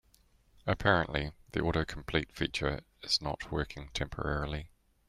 Apparently, the autocomplete feature is not working temporarily.